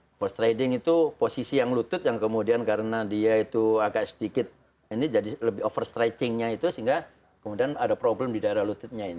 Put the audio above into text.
over strading itu posisi yang lutut yang kemudian karena dia itu agak sedikit ini jadi lebih over stretchingnya itu sehingga kemudian ada problem di daerah lututnya ini